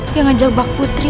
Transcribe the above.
yang ngajak bak putri